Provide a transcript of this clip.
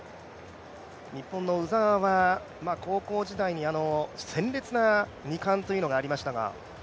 日本の鵜澤は高校時代に鮮烈な２冠というのがありましたが。